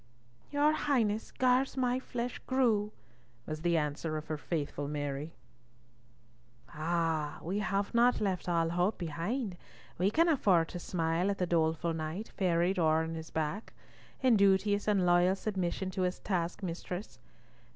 "Your Highness gars my flesh grue," was the answer of her faithful Mary. "Ah, ma mie! we have not left all hope behind. We can afford to smile at the doleful knight, ferried o'er on his back, in duteous and loyal submission to his task mistress.